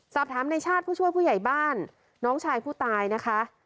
ในชาติผู้ช่วยผู้ใหญ่บ้านน้องชายผู้ตายนะคะ